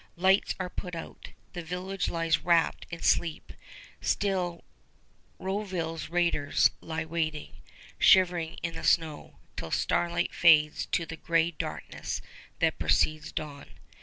Lights are put out. The village lies wrapped in sleep. Still Rouville's raiders lie waiting, shivering in the snow, till starlight fades to the gray darkness that precedes dawn.